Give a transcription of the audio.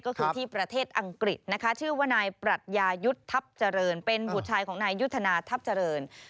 ก็คือที่ประเทศอังกฤษที่ชื่อว่านายปรัชญายุธทัพเจริญ